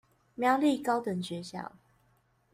苗栗高等學校